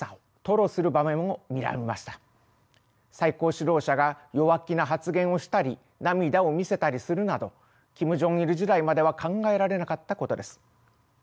最高指導者が弱気な発言をしたり涙を見せたりするなどキム・ジョンイル時代までは考えられなかったことです。